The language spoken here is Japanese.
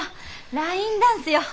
ラインダンスよ。